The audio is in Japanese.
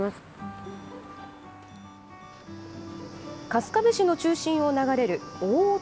春日部市の中心を流れる大落